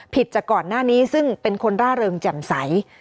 จากก่อนหน้านี้ซึ่งเป็นคนร่าเริงแจ่มใส